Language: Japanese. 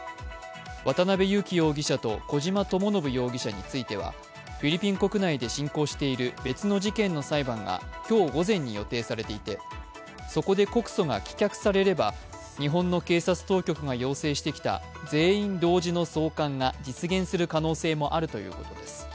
渡辺優樹容疑者と小島智信容疑者についてはフィリピン国内で進行している別の事件の裁判が今日午前に予定されていてそこで告訴が棄却されれば日本の警察当局が要請してきた全員同時の送還が実現する可能性もあるということです。